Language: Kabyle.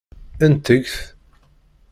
Nteg-t.